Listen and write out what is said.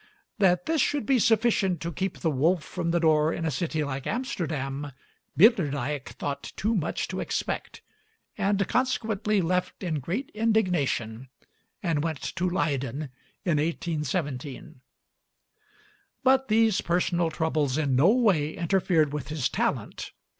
That this should be sufficient to keep the wolf from the door in a city like Amsterdam, Bilderdijk thought too much to expect, and consequently left in great indignation and went to Leyden in 1817. But these personal troubles in no way interfered with his talent.